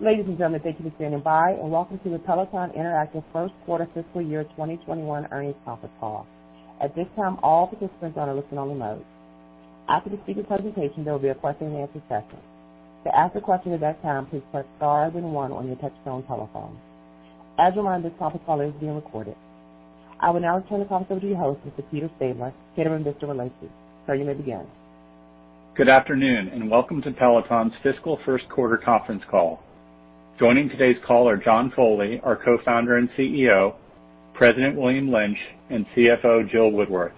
Ladies and gentlemen, thank you for standing by, and welcome to the Peloton Interactive First Quarter Fiscal Year 2021 Earnings Conference Call. At this time, all participants are on a listen-only mode. After the speaker presentation, there will be a question and answer session. To ask a question at that time, please press star then one on your touchtone telephone. As a reminder, this conference call is being recorded. I will now turn the conference over to your host, Mr. Peter Stabler. Peter and Mr. Lynch, sir, you may begin. Good afternoon, and welcome to Peloton's Fiscal First Quarter Conference Call. Joining today's call are John Foley, our Co-founder and Chief Executive Officer, President William Lynch, and CFO Jill Woodworth.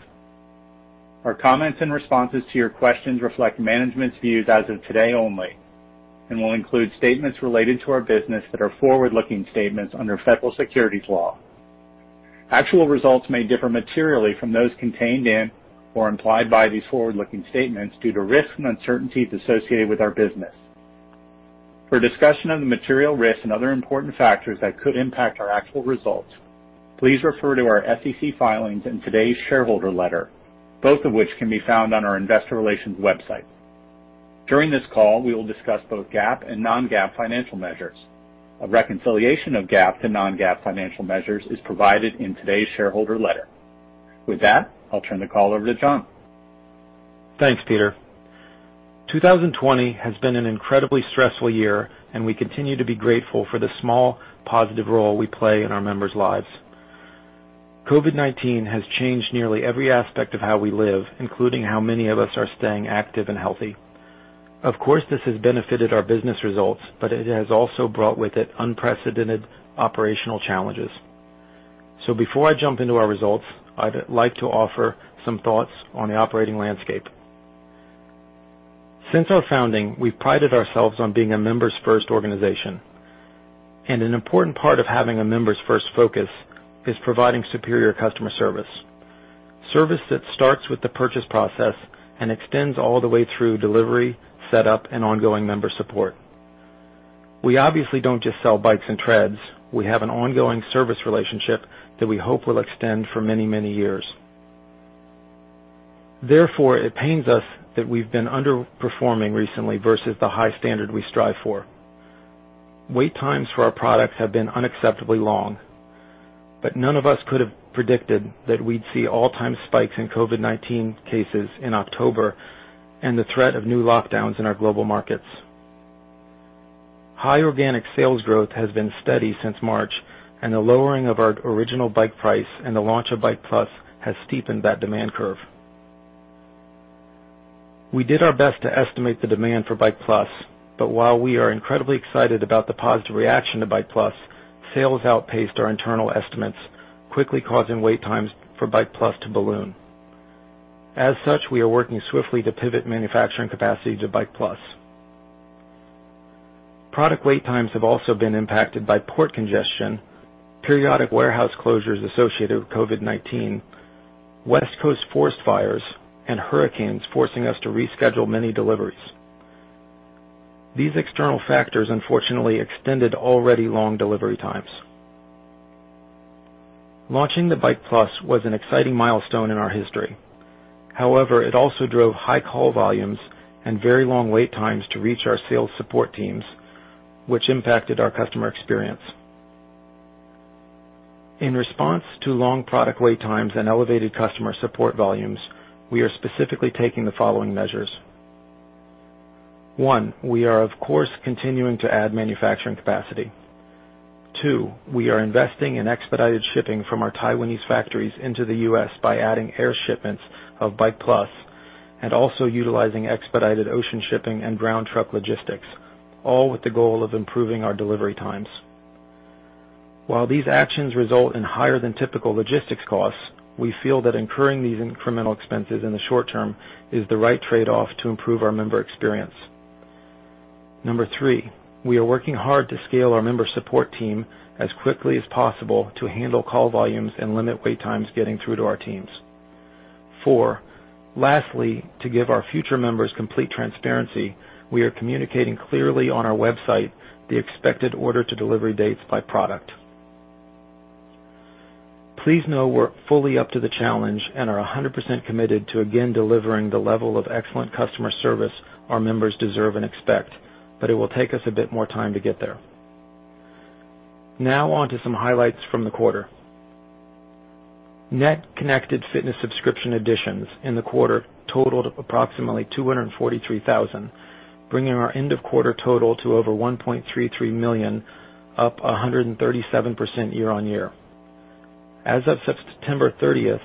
Our comments and responses to your questions reflect management's views as of today only and will include statements related to our business that are forward-looking statements under federal securities law. Actual results may differ materially from those contained in or implied by these forward-looking statements due to risks and uncertainties associated with our business. For a discussion of the material risks and other important factors that could impact our actual results, please refer to our SEC filings and today's shareholder letter, both of which can be found on our investor relations website. During this call, we will discuss both GAAP and non-GAAP financial measures. A reconciliation of GAAP to non-GAAP financial measures is provided in today's shareholder letter. With that, I'll turn the call over to John. Thanks, Peter. 2020 has been an incredibly stressful year, and we continue to be grateful for the small, positive role we play in our members' lives. COVID-19 has changed nearly every aspect of how we live, including how many of us are staying active and healthy. Of course, this has benefited our business results, but it has also brought with it unprecedented operational challenges. Before I jump into our results, I'd like to offer some thoughts on the operating landscape. Since our founding, we've prided ourselves on being a members first organization, and an important part of having a members first focus is providing superior customer service. Service that starts with the purchase process and extends all the way through delivery, setup, and ongoing member support. We obviously don't just sell bikes and treads. We have an ongoing service relationship that we hope will extend for many, many years. Therefore, it pains us that we've been underperforming recently versus the high standard we strive for. Wait times for our products have been unacceptably long. None of us could have predicted that we'd see all-time spikes in COVID-19 cases in October and the threat of new lockdowns in our global markets. High organic sales growth has been steady since March. The lowering of our original Bike price and the launch of Bike+ has steepened that demand curve. We did our best to estimate the demand for Bike+, but while we are incredibly excited about the positive reaction to Bike+, sales outpaced our internal estimates, quickly causing wait times for Bike+ to balloon. As such, we are working swiftly to pivot manufacturing capacity to Bike+. Product wait times have also been impacted by port congestion, periodic warehouse closures associated with COVID-19, West Coast forest fires, and hurricanes forcing us to reschedule many deliveries. These external factors, unfortunately, extended already long delivery times. Launching the Bike+ was an exciting milestone in our history. However, it also drove high call volumes and very long wait times to reach our sales support teams, which impacted our customer experience. In response to long product wait times and elevated customer support volumes, we are specifically taking the following measures. One, we are, of course, continuing to add manufacturing capacity. Two, we are investing in expedited shipping from our Taiwanese factories into the U.S. by adding air shipments of Bike+ and also utilizing expedited ocean shipping and ground truck logistics, all with the goal of improving our delivery times. While these actions result in higher than typical logistics costs, we feel that incurring these incremental expenses in the short term is the right trade-off to improve our member experience. Number three, we are working hard to scale our member support team as quickly as possible to handle call volumes and limit wait times getting through to our teams. Four, lastly, to give our future members complete transparency, we are communicating clearly on our website the expected order to delivery dates by product. Please know we're fully up to the challenge and are 100% committed to again delivering the level of excellent customer service our members deserve and expect, but it will take us a bit more time to get there. Now on to some highlights from the quarter. Net Connected Fitness subscription additions in the quarter totaled approximately 243,000, bringing our end-of-quarter total to over 1.33 million, up 137% year-on-year. As of September 30th,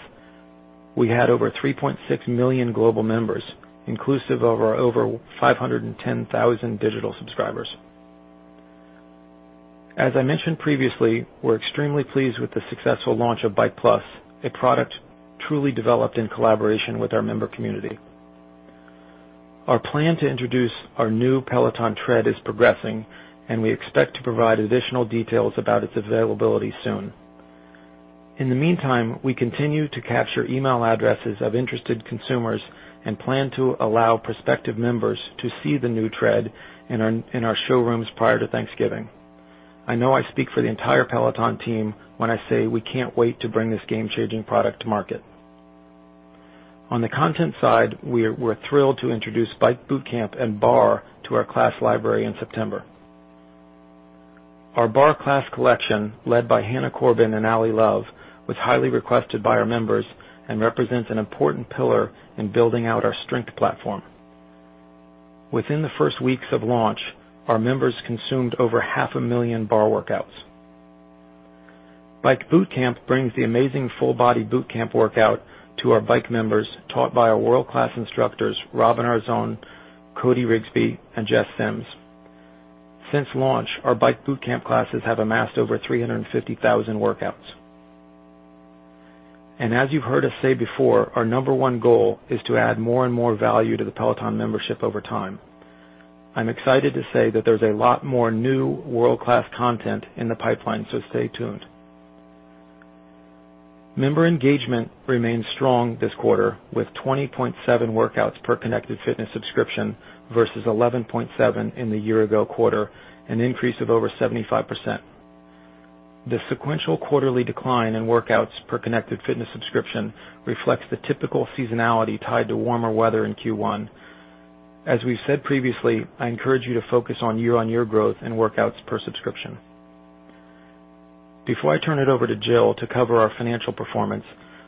we had over 3.6 million global members, inclusive of our over 510,000 digital subscribers. As I mentioned previously, we're extremely pleased with the successful launch of Bike+, a product truly developed in collaboration with our member community. Our plan to introduce our new Peloton Tread is progressing, and we expect to provide additional details about its availability soon. In the meantime, we continue to capture email addresses of interested consumers and plan to allow prospective members to see the new Tread in our showrooms prior to Thanksgiving. I know I speak for the entire Peloton team when I say we can't wait to bring this game-changing product to market. On the content side, we're thrilled to introduce Bike Bootcamp and Barre to our class library in September. Our Barre class collection, led by Hannah Corbin and Ally Love, was highly requested by our members and represents an important pillar in building out our strength platform. Within the first weeks of launch, our members consumed over half a million Barre workouts. Bike Bootcamp brings the amazing full-body boot camp workout to our bike members, taught by our world-class instructors, Robin Arzón, Cody Rigsby, and Jess Sims. Since launch, our Bike Bootcamp classes have amassed over 350,000 workouts. As you've heard us say before, our number one goal is to add more and more value to the Peloton membership over time. I'm excited to say that there's a lot more new world-class content in the pipeline, so stay tuned. Member engagement remains strong this quarter, with 20.7 workouts per Connected Fitness subscription versus 11.7 in the year-ago quarter, an increase of over 75%. The sequential quarterly decline in workouts per Connected Fitness subscription reflects the typical seasonality tied to warmer weather in Q1. As we've said previously, I encourage you to focus on year-on-year growth and workouts per subscription. Before I turn it over to Jill to cover our financial performance,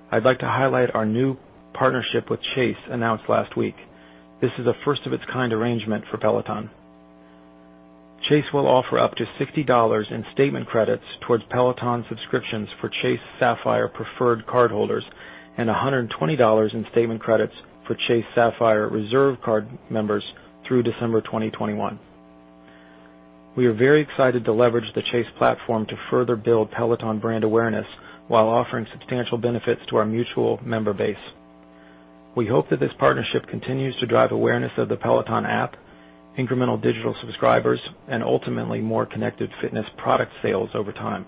I'd like to highlight our new partnership with Chase, announced last week. This is a first-of-its-kind arrangement for Peloton. Chase will offer up to $60 in statement credits towards Peloton subscriptions for Chase Sapphire Preferred cardholders and $120 in statement credits for Chase Sapphire Reserve card members through December 2021. We are very excited to leverage the Chase platform to further build Peloton brand awareness while offering substantial benefits to our mutual member base. We hope that this partnership continues to drive awareness of the Peloton App, incremental digital subscribers, and ultimately, more Connected Fitness product sales over time.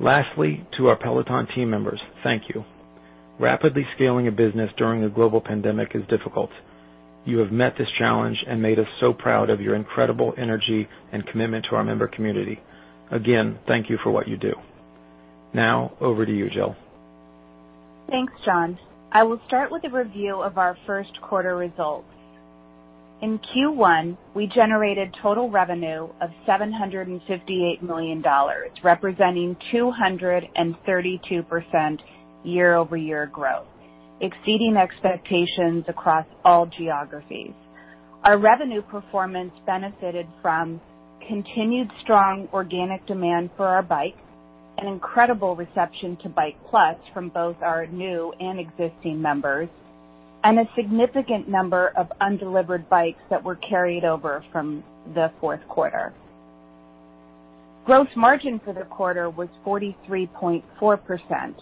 Lastly, to our Peloton team members, thank you. Rapidly scaling a business during a global pandemic is difficult. You have met this challenge and made us so proud of your incredible energy and commitment to our member community. Again, thank you for what you do. Now, over to you, Jill. Thanks, John. I will start with a review of our first quarter results. In Q1, we generated total revenue of $758 million, representing 232% year-over-year growth, exceeding expectations across all geographies. Our revenue performance benefited from continued strong organic demand for our bikes, an incredible reception to Bike+, from both our new and existing members, and a significant number of undelivered bikes that were carried over from the fourth quarter. Gross margin for the quarter was 43.4%.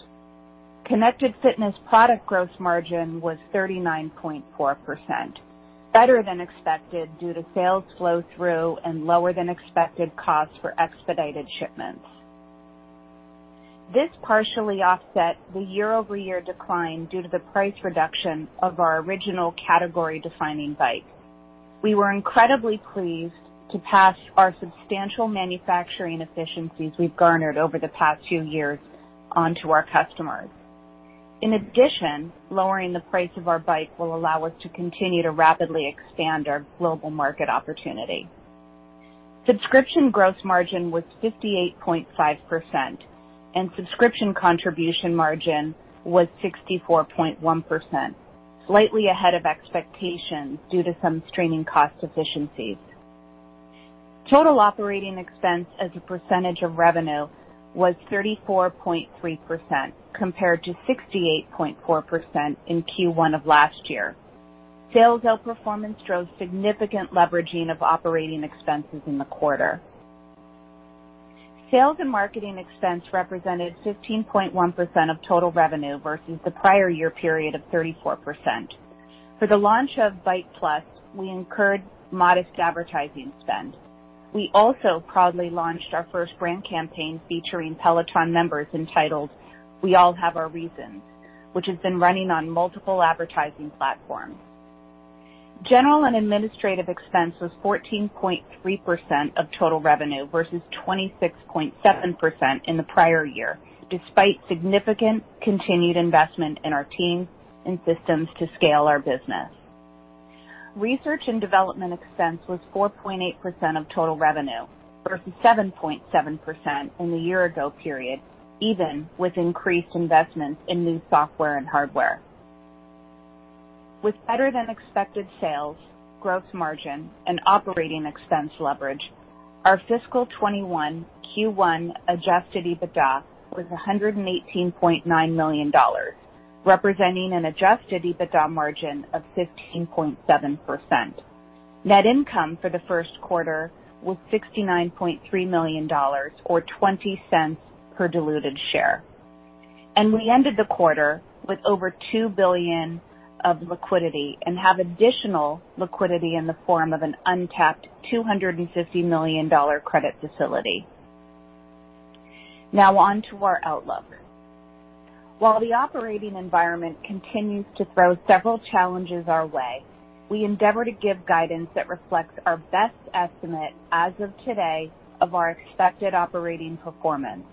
Connected Fitness product gross margin was 39.4%, better than expected due to sales flow-through and lower-than-expected costs for expedited shipments. This partially offset the year-over-year decline due to the price reduction of our original category-defining bike. We were incredibly pleased to pass our substantial manufacturing efficiencies we've garnered over the past two years on to our customers. In addition, lowering the price of our bikes will allow us to continue to rapidly expand our global market opportunity. Subscription gross margin was 58.5%, and subscription contribution margin was 64.1%, slightly ahead of expectations due to some streaming cost efficiencies. Total operating expense as a percentage of revenue was 34.3%, compared to 68.4% in Q1 of last year. Sales outperformance drove significant leveraging of operating expenses in the quarter. Sales and marketing expense represented 15.1% of total revenue versus the prior year period of 34%. For the launch of Bike+, we incurred modest advertising spend. We also proudly launched our first brand campaign featuring Peloton members entitled "We All Have Our Reasons," which has been running on multiple advertising platforms. General and administrative expense was 14.3% of total revenue versus 26.7% in the prior year, despite significant continued investment in our teams and systems to scale our business. Research and development expense was 4.8% of total revenue versus 7.7% in the year-ago period, even with increased investments in new software and hardware. With better-than-expected sales, gross margin, and operating expense leverage, our fiscal 2021 Q1 adjusted EBITDA was $118.9 million, representing an adjusted EBITDA margin of 15.7%. Net income for the first quarter was $69.3 million, or $0.20 per diluted share. We ended the quarter with over $2 billion of liquidity and have additional liquidity in the form of an untapped $250 million credit facility. Now on to our outlook. While the operating environment continues to throw several challenges our way, we endeavor to give guidance that reflects our best estimate as of today of our expected operating performance.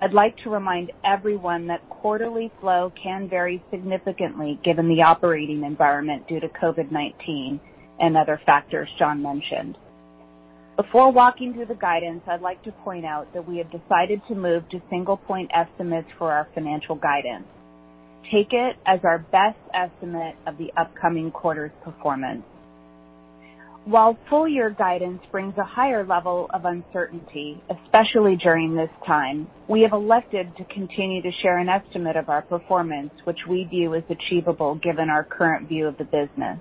I'd like to remind everyone that quarterly flow can vary significantly given the operating environment due to COVID-19 and other factors John mentioned. Before walking through the guidance, I'd like to point out that we have decided to move to single point estimates for our financial guidance. Take it as our best estimate of the upcoming quarter's performance. While full year guidance brings a higher level of uncertainty, especially during this time, we have elected to continue to share an estimate of our performance, which we view as achievable given our current view of the business.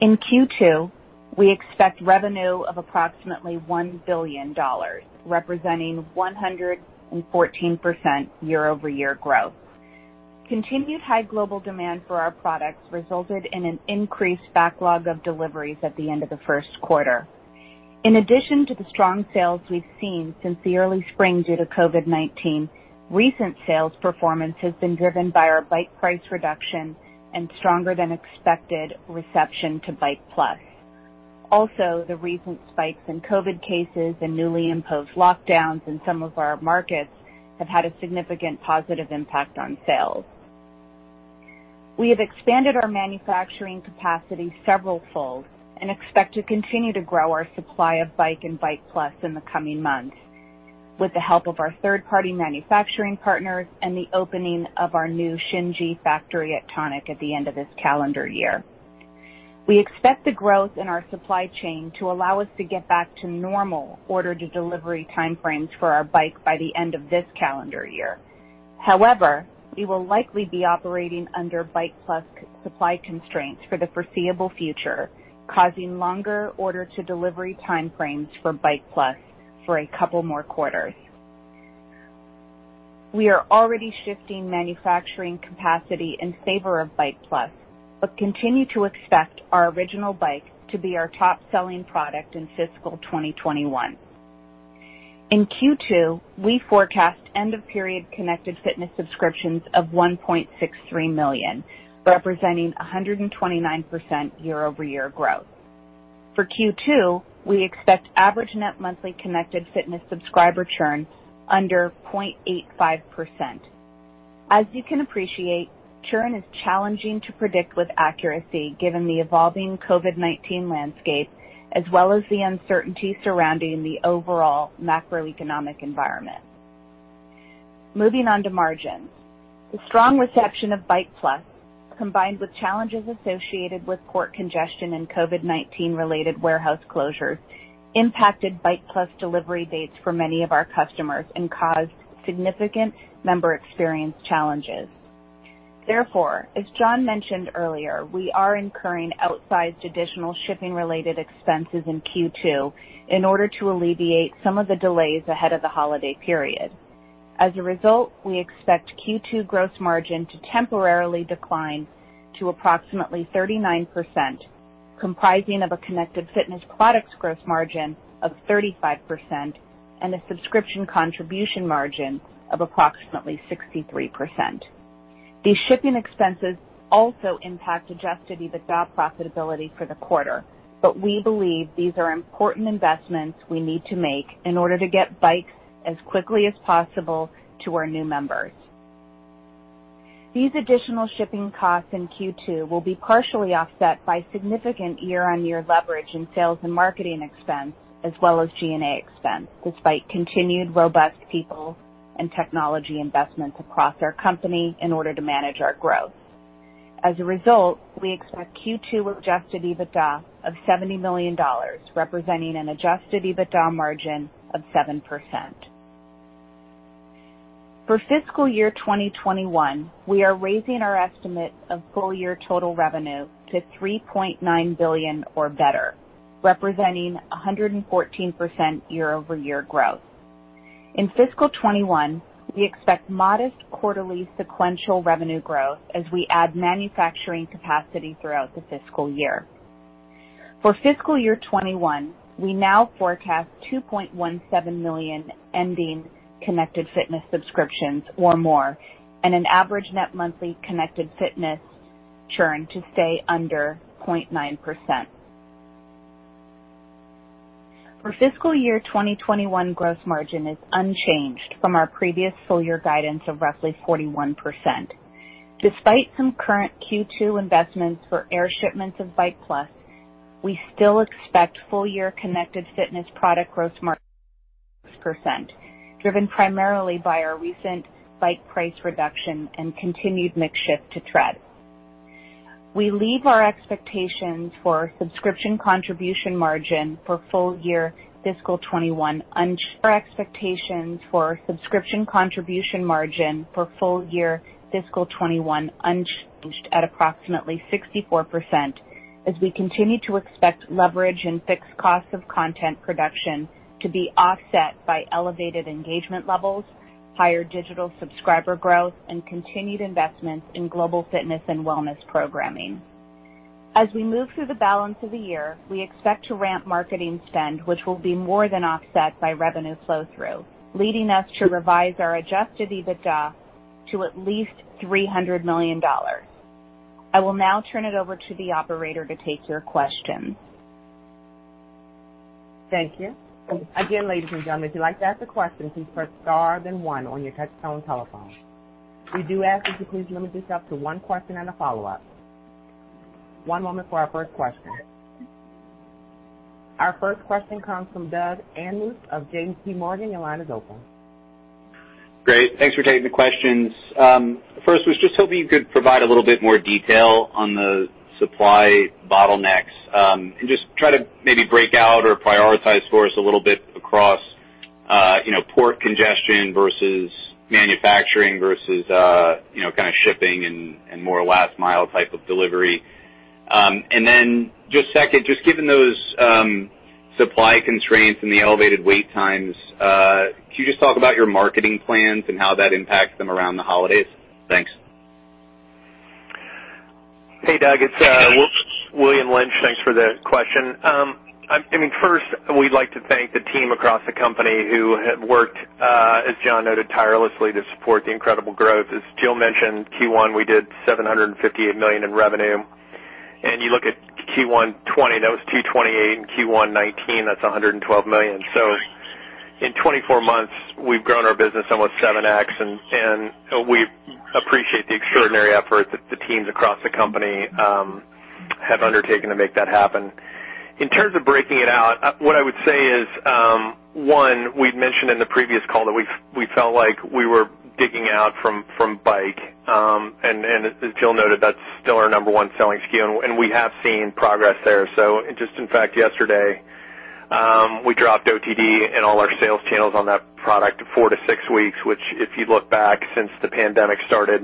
In Q2, we expect revenue of approximately $1 billion, representing 114% year-over-year growth. Continued high global demand for our products resulted in an increased backlog of deliveries at the end of the first quarter. In addition to the strong sales we've seen since the early spring due to COVID-19, recent sales performance has been driven by our Bike price reduction and stronger than expected reception to Bike+. Also, the recent spikes in COVID cases and newly imposed lockdowns in some of our markets have had a significant positive impact on sales. We have expanded our manufacturing capacity severalfold and expect to continue to grow our supply of Bike and Bike+ in the coming months with the help of our third-party manufacturing partners and the opening of our new Shin Ji factory at Tonic at the end of this calendar year. We expect the growth in our supply chain to allow us to get back to normal order-to-delivery timeframes for our Bike by the end of this calendar year. However, we will likely be operating under Bike+ supply constraints for the foreseeable future, causing longer order-to-delivery timeframes for Bike+ for a couple more quarters. We are already shifting manufacturing capacity in favor of Bike+, but continue to expect our original Bike to be our top-selling product in fiscal 2021. In Q2, we forecast end-of-period Connected Fitness subscriptions of 1.63 million, representing 129% year-over-year growth. For Q2, we expect average net monthly Connected Fitness subscriber churn under 0.85%. As you can appreciate, churn is challenging to predict with accuracy given the evolving COVID-19 landscape as well as the uncertainty surrounding the overall macroeconomic environment. Moving on to margins. The strong reception of Bike+, combined with challenges associated with port congestion and COVID-19 related warehouse closures, impacted Bike+ delivery dates for many of our customers and caused significant member experience challenges. As John mentioned earlier, we are incurring outsized additional shipping-related expenses in Q2 in order to alleviate some of the delays ahead of the holiday period. We expect Q2 gross margin to temporarily decline to approximately 39%, comprising of a Connected Fitness products gross margin of 35% and a subscription contribution margin of approximately 63%. These shipping expenses also impact adjusted EBITDA profitability for the quarter, but we believe these are important investments we need to make in order to get Bikes as quickly as possible to our new members. These additional shipping costs in Q2 will be partially offset by significant year-over-year leverage in sales and marketing expense as well as G&A expense, despite continued robust people and technology investments across our company in order to manage our growth. We expect Q2 adjusted EBITDA of $70 million, representing an adjusted EBITDA margin of 7%. For fiscal year 2021, we are raising our estimate of full-year total revenue to $3.9 billion or better, representing 114% year-over-year growth. In fiscal 2021, we expect modest quarterly sequential revenue growth as we add manufacturing capacity throughout the fiscal year. For fiscal year 2021, we now forecast 2.17 million ending Connected Fitness subscriptions or more, and an average net monthly Connected Fitness churn to stay under 0.9%. For fiscal year 2021, gross margin is unchanged from our previous full year guidance of roughly 41%. Despite some current Q2 investments for air shipments of Bike+, we still expect full-year Connected Fitness product gross margin 36%, driven primarily by our recent Bike price reduction and continued mix shift to Tread. We leave our expectations for subscription contribution margin for full year fiscal 2021 unchanged at approximately 64% as we continue to expect leverage in fixed costs of content production to be offset by elevated engagement levels, higher digital subscriber growth, and continued investments in global fitness and wellness programming. As we move through the balance of the year, we expect to ramp marketing spend, which will be more than offset by revenue flow-through, leading us to revise our adjusted EBITDA to at least $300 million. I will now turn it over to the operator to take your questions. Thank you. Ladies and gentlemen, if you'd like to ask a question, please press star then one on your touchtone telephone. We do ask that you please limit yourself to one question and a follow-up. One moment for our first question. Our first question comes from Doug Anmuth of JPMorgan. Your line is open. Great. Thanks for taking the questions. First, was just hoping you could provide a little bit more detail on the supply bottlenecks, and just try to maybe break out or prioritize for us a little bit across port congestion versus manufacturing versus shipping and more last-mile type of delivery. Just second, just given those supply constraints and the elevated wait times, can you just talk about your marketing plans and how that impacts them around the holidays? Thanks. Hey, Doug. It's William Lynch. Thanks for the question. First, we'd like to thank the team across the company who have worked, as John noted, tirelessly to support the incredible growth. As Jill mentioned, Q1, we did $758 million in revenue. You look at Q1 2020, that was $228 million, and Q1 2019, that's $112 million. In 24 months, we've grown our business almost 7x, and we appreciate the extraordinary effort that the teams across the company have undertaken to make that happen. In terms of breaking it out, what I would say is, one, we'd mentioned in the previous call that we felt like we were digging out from Bike. As Jill noted, that's still our number one selling SKU, and we have seen progress there. Just in fact, yesterday, we dropped OTD in all our sales channels on that product to four to six weeks, which, if you look back since the pandemic started,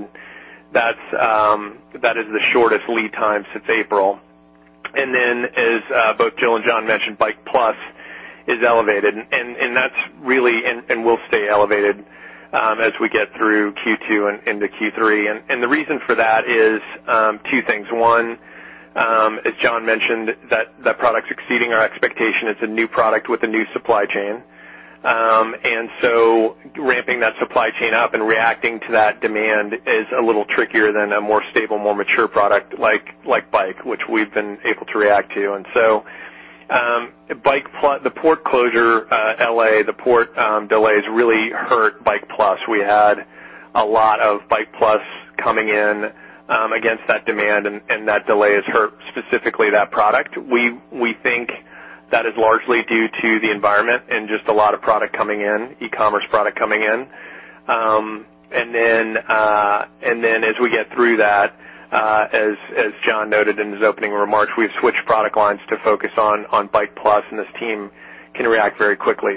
that is the shortest lead time since April. As both Jill and John mentioned, Bike+ is elevated, and will stay elevated as we get through Q2 and into Q3. The reason for that is two things. One, as John mentioned, that product's exceeding our expectation. It's a new product with a new supply chain. Ramping that supply chain up and reacting to that demand is a little trickier than a more stable, more mature product like Bike, which we've been able to react to. The port closure, L.A., the port delays really hurt Bike+. We had a lot of Bike+ coming in against that demand, and that delay has hurt specifically that product. We think that is largely due to the environment and just a lot of product coming in, e-commerce product coming in. As we get through that, as John noted in his opening remarks, we've switched product lines to focus on Bike+, and this team can react very quickly.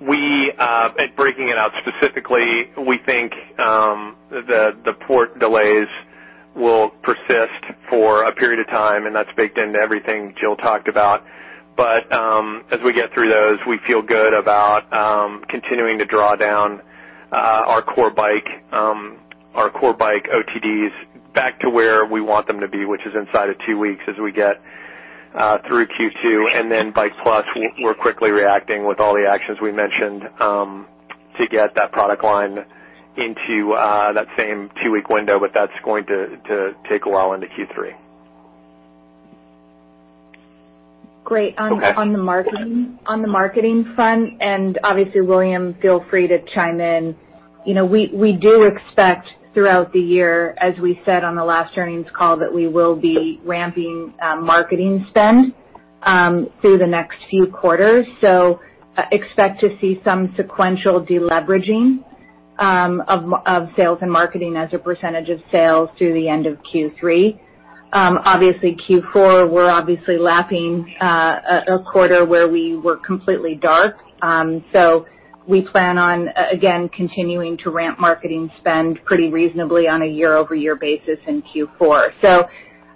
At breaking it out specifically, we think the port delays will persist for a period of time, and that's baked into everything Jill talked about. As we get through those, we feel good about continuing to draw down our core Bike OTDs back to where we want them to be, which is inside of two weeks as we get through Q2. Bike+, we're quickly reacting with all the actions we mentioned to get that product line into that same two-week window. That's going to take a while into Q3. Great. Okay. On the marketing front, obviously, William, feel free to chime in. We do expect throughout the year, as we said on the last earnings call, that we will be ramping marketing spend through the next few quarters. Expect to see some sequential de-leveraging of sales and marketing as a percentage of sales through the end of Q3. Obviously Q4, we're obviously lapping a quarter where we were completely dark. We plan on, again, continuing to ramp marketing spend pretty reasonably on a year-over-year basis in Q4.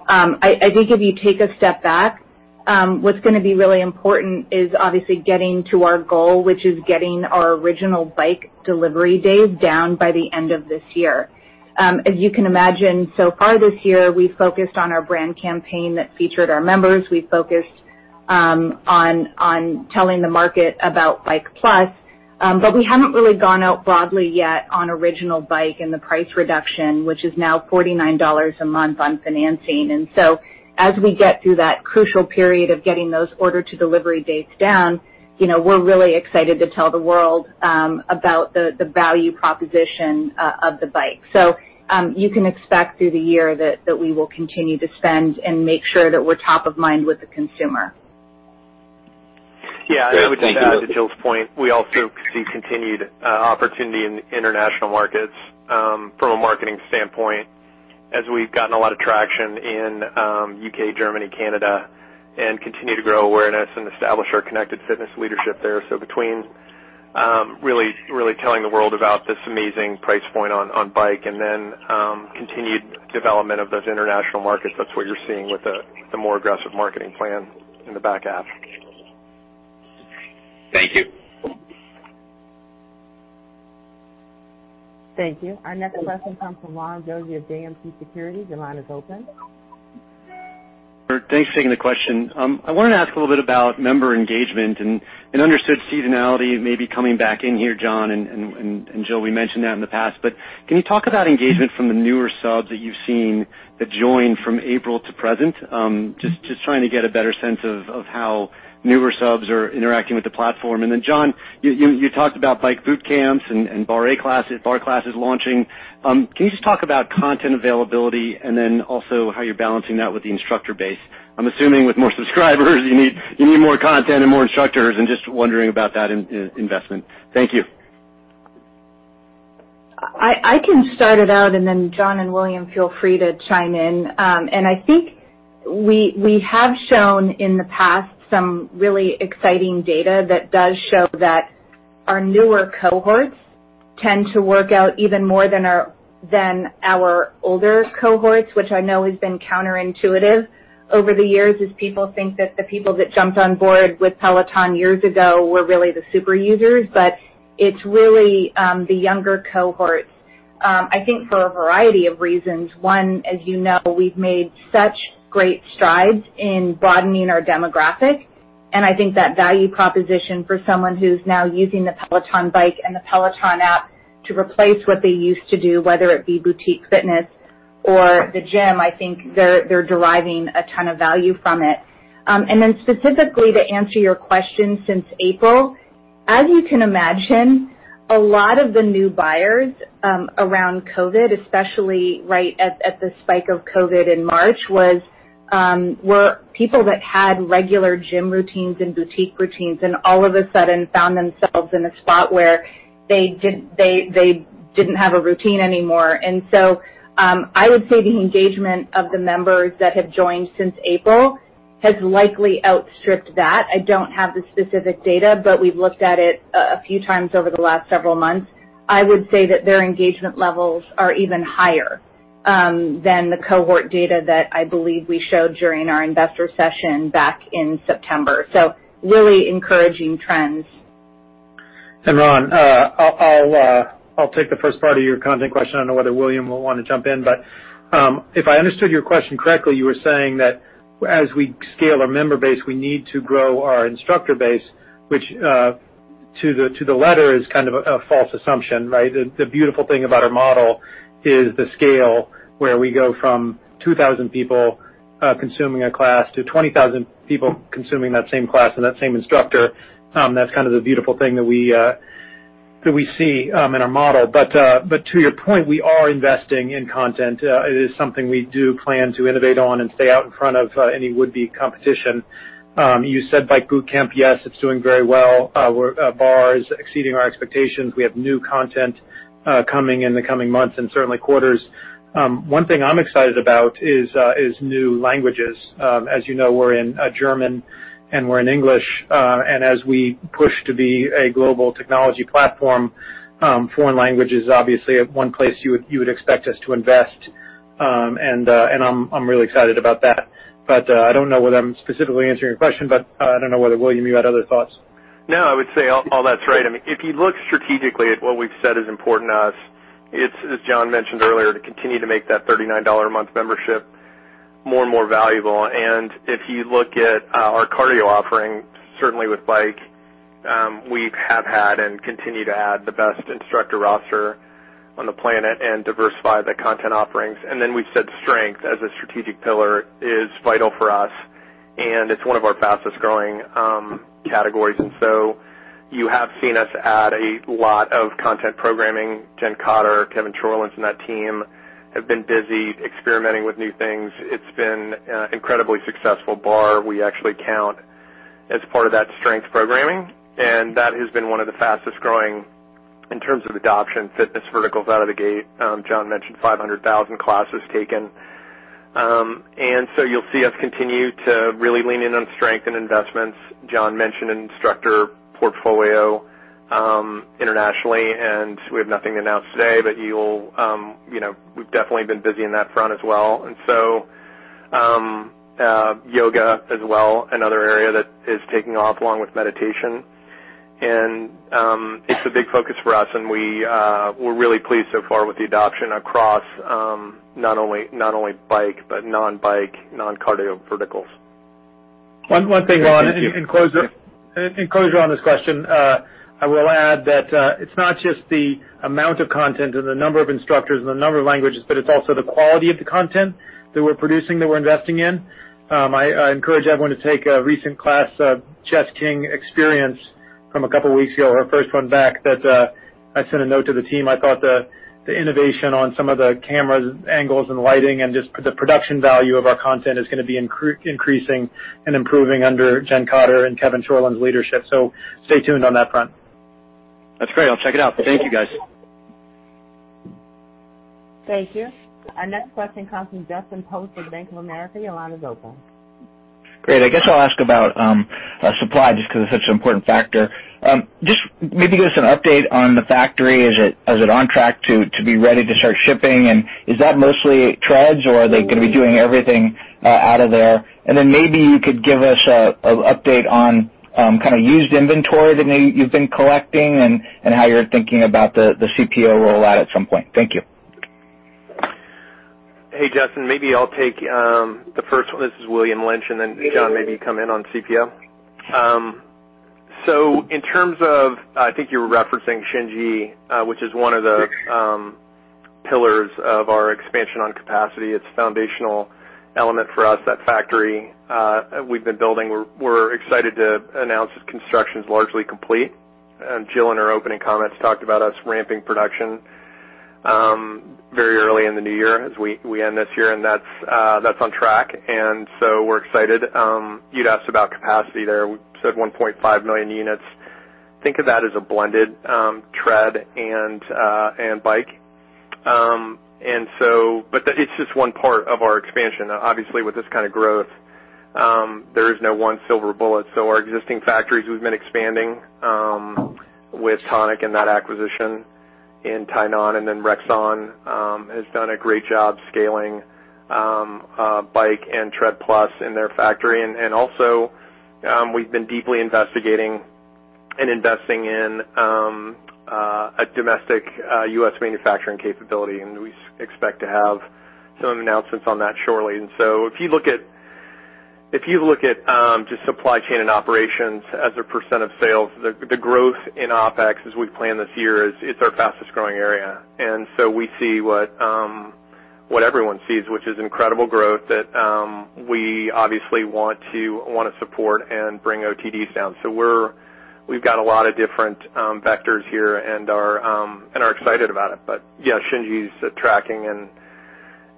I think if you take a step back, what's going to be really important is obviously getting to our goal, which is getting our original Bike delivery days down by the end of this year. As you can imagine, so far this year, we've focused on our brand campaign that featured our members. We've focused on telling the market about Bike+, but we haven't really gone out broadly yet on original Bike and the price reduction, which is now $49 a month on financing. As we get through that crucial period of getting those order-to-delivery dates down, we're really excited to tell the world about the value proposition of the Bike. You can expect through the year that we will continue to spend and make sure that we're top of mind with the consumer. Great. Thank you. Yeah, I would just add to Jill's point, we also see continued opportunity in international markets from a marketing standpoint, as we've gotten a lot of traction in U.K., Germany, Canada, and continue to grow awareness and establish our Connected Fitness leadership there. Between really telling the world about this amazing price point on Bike and then continued development of those international markets, that's what you're seeing with the more aggressive marketing plan in the back half. Thank you. Thank you. Our next question comes from Ronald Josey of JMP Securities. Your line is open. Thanks for taking the question. I wanted to ask a little bit about member engagement and understood seasonality maybe coming back in here, John, and Jill, we mentioned that in the past. Can you talk about engagement from the newer subs that you've seen that joined from April to present? Just trying to get a better sense of how newer subs are interacting with the platform. John, you talked about Bike Bootcamp and Barre classes launching. Can you just talk about content availability and then also how you're balancing that with the instructor base? I'm assuming with more subscribers you need more content and more instructors, and just wondering about that investment. Thank you. I can start it out, and then John and William, feel free to chime in. I think we have shown in the past some really exciting data that does show that our newer cohorts tend to work out even more than our older cohorts, which I know has been counterintuitive over the years, as people think that the people that jumped on board with Peloton years ago were really the super users. It's really the younger cohorts. I think for a variety of reasons. One, as you know, we've made such great strides in broadening our demographic, and I think that value proposition for someone who's now using the Peloton Bike and the Peloton App to replace what they used to do, whether it be boutique fitness or the gym, I think they're deriving a ton of value from it. Specifically to answer your question, since April, as you can imagine, a lot of the new buyers around COVID, especially right at the spike of COVID in March, were people that had regular gym routines and boutique routines and all of a sudden found themselves in a spot where they didn't have a routine anymore. I would say the engagement of the members that have joined since April has likely outstripped that. I don't have the specific data, but we've looked at it a few times over the last several months. I would say that their engagement levels are even higher than the cohort data that I believe we showed during our investor session back in September. Really encouraging trends. Ronald, I'll take the first part of your content question. I don't know whether William will want to jump in, if I understood your question correctly, you were saying that as we scale our member base, we need to grow our instructor base, which to the letter is kind of a false assumption, right? The beautiful thing about our model is the scale, where we go from 2,000 people consuming a class to 20,000 people consuming that same class and that same instructor. That's kind of the beautiful thing that we see in our model. To your point, we are investing in content. It is something we do plan to innovate on and stay out in front of any would-be competition. You said Bike Bootcamp. Yes, it's doing very well. Barre is exceeding our expectations. We have new content coming in the coming months and certainly quarters. One thing I'm excited about is new languages. As you know, we're in German and we're in English. As we push to be a global technology platform, foreign language is obviously one place you would expect us to invest. I'm really excited about that. I don't know whether I'm specifically answering your question, but I don't know whether, William, you had other thoughts. No, I would say all that's right. I mean, if you look strategically at what we've said is important to us, it's, as John mentioned earlier, to continue to make that $39 a month membership more and more valuable. If you look at our cardio offering, certainly with Bike, we have had and continue to add the best instructor roster on the planet and diversify the content offerings. We've said strength as a strategic pillar is vital for us, and it's one of our fastest growing categories. You have seen us add a lot of content programming. Jen Cotter, Kevin Toolan, and that team have been busy experimenting with new things. It's been incredibly successful. Barre, we actually count as part of that strength programming, and that has been one of the fastest growing, in terms of adoption, fitness verticals out of the gate. John mentioned 500,000 classes taken. You'll see us continue to really lean in on strength and investments. John mentioned an instructor portfolio internationally, and we have nothing to announce today, but we've definitely been busy on that front as well. Yoga as well, another area that is taking off, along with meditation. It's a big focus for us, and we're really pleased so far with the adoption across not only bike, but non-bike, non-cardio verticals. One thing, Ronald, in closure on this question, I will add that it's not just the amount of content and the number of instructors and the number of languages, but it's also the quality of the content that we're producing, that we're investing in. I encourage everyone to take a recent class, Jess King Experience from a couple weeks ago, her first one back, that I sent a note to the team. I thought the innovation on some of the cameras, angles, and lighting and just the production value of our content is going to be increasing and improving under Jen Cotter and Kevin Toolan's leadership. Stay tuned on that front. That's great. I'll check it out. Thank you, guys. Thank you. Our next question comes from Justin Post with Bank of America. Your line is open. Great. I guess I'll ask about supply, just because it's such an important factor. Just maybe give us an update on the factory. Is it on track to be ready to start shipping, and is that mostly Treads, or are they going to be doing everything out of there? Maybe you could give us an update on kind of used inventory that you've been collecting and how you're thinking about the CPO rollout at some point. Thank you. Hey, Justin, maybe I'll take the first one. This is William Lynch. Then John, maybe you come in on CPO. In terms of, I think you were referencing Shin Ji, which is one of the pillars of our expansion on capacity. It's foundational element for us, that factory we've been building. We're excited to announce its construction's largely complete. And Jill, in her opening comments, talked about us ramping production very early in the new year as we end this year, and that's on track. We're excited. You'd asked about capacity there. We said 1.5 million units. Think of that as a blended Tread and Bike. It's just one part of our expansion. Obviously, with this kind of growth, there is no one silver bullet. Our existing factories, we've been expanding with Tonic and that acquisition in Tainan, Rexon has done a great job scaling Bike and Tread+ in their factory. Also, we've been deeply investigating and investing in a domestic U.S. manufacturing capability, and we expect to have some announcements on that shortly. If you look at just supply chain and operations as a percent of sales, the growth in OpEx as we plan this year is our fastest-growing area. We see what everyone sees, which is incredible growth that we obviously want to support and bring OTDs down. We've got a lot of different vectors here and are excited about it. Yeah, Shin Ji's tracking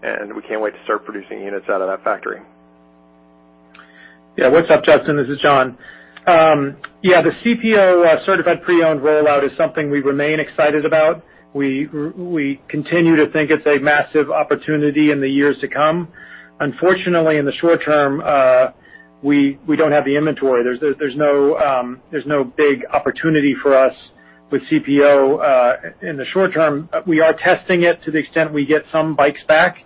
and we can't wait to start producing units out of that factory. Yeah. What's up, Justin? This is John. Yeah, the CPO, Certified Pre-Owned rollout is something we remain excited about. We continue to think it's a massive opportunity in the years to come. Unfortunately, in the short term, we don't have the inventory. There's no big opportunity for us with CPO in the short term. We are testing it to the extent we get some bikes back.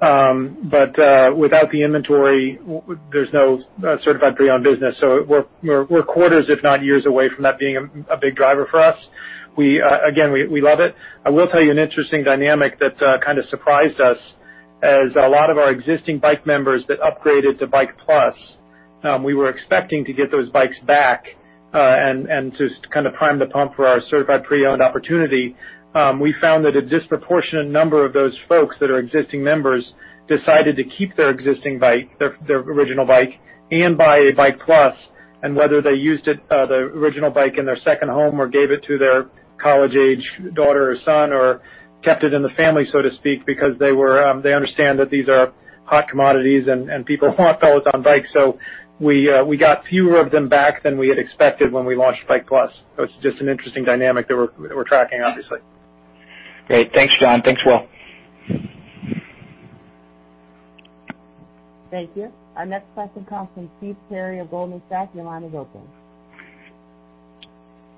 Without the inventory, there's no Certified Pre-Owned business. We're quarters, if not years away from that being a big driver for us. Again, we love it. I will tell you an interesting dynamic that kind of surprised us, as a lot of our existing Bike members that upgraded to Bike+, we were expecting to get those bikes back and to kind of prime the pump for our Certified Pre-Owned opportunity. We found that a disproportionate number of those folks that are existing members decided to keep their existing bike, their original bike, and buy a Bike+. Whether they used it, the original bike, in their second home or gave it to their college-age daughter or son, or kept it in the family, so to speak, because they understand that these are hot commodities and people want Peloton bikes. We got fewer of them back than we had expected when we launched Bike+. It's just an interesting dynamic that we're tracking, obviously. Great. Thanks, John. Thanks, Will. Thank you. Our next question comes from Stephen Terry of Goldman Sachs. Your line is open.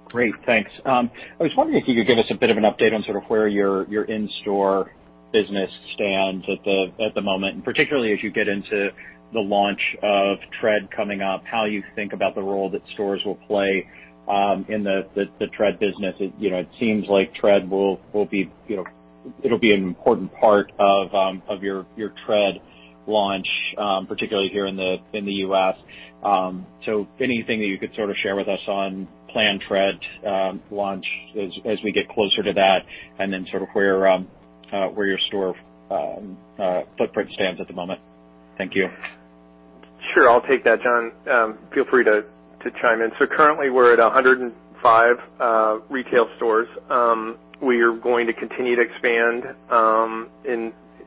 Great, thanks. I was wondering if you could give us a bit of an update on sort of where your in-store business stands at the moment. Particularly as you get into the launch of Tread coming up, how you think about the role that stores will play in the Tread business. It seems like Tread will be an important part of your Tread launch, particularly here in the U.S. Anything that you could sort of share with us on planned Tread launch as we get closer to that, then sort of where your store footprint stands at the moment. Thank you. Sure. I'll take that. John, feel free to chime in. Currently, we're at 105 retail stores. We are going to continue to expand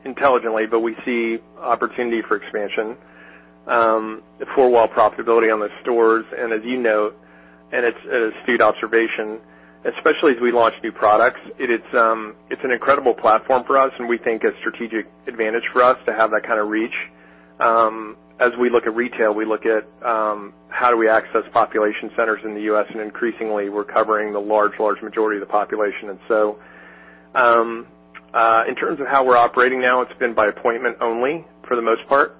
intelligently, but we see opportunity for expansion. The four-wall profitability on the stores, and as you know, and it's a steep observation, especially as we launch new products, it's an incredible platform for us, and we think a strategic advantage for us to have that kind of reach. As we look at retail, we look at how do we access population centers in the U.S., and increasingly, we're covering the large majority of the population. In terms of how we're operating now, it's been by appointment only for the most part.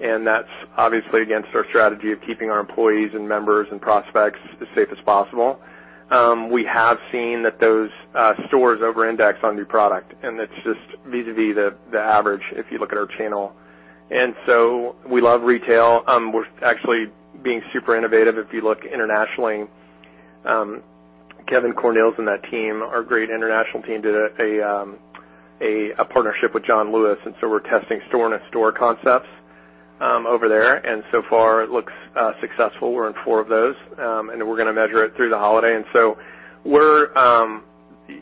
That's obviously against our strategy of keeping our employees and members and prospects as safe as possible. We have seen that those stores over-index on new product, it's just vis-à-vis the average, if you look at our channel. We love retail. We're actually being super innovative. If you look internationally, Kevin Cornils and that team, our great international team, did a partnership with John Lewis, we're testing store-in-a-store concepts over there, so far, it looks successful. We're in four of those. We're going to measure it through the holiday.